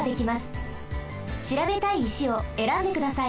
しらべたい石をえらんでください。